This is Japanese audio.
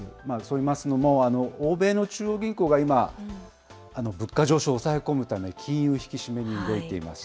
といいますのも、欧米の中央銀行が今、物価上昇を抑え込むため、金融引き締めに動いています。